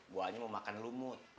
buahnya mau makan lumut